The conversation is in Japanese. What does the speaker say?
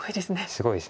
すごいです。